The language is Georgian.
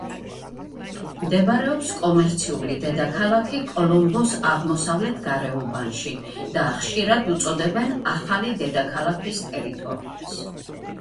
მდებარეობს კომერციული დედაქალაქი კოლომბოს აღმოსავლეთ გარეუბანში და ხშირად უწოდებენ „ახალი დედაქალაქის“ ტერიტორიას.